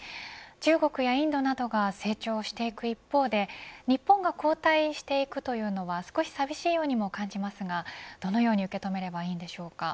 中国やインドなどが成長していく一方で日本が後退していくのは少し寂しいようにも感じますがどのように受け止めればいいのでしょうか。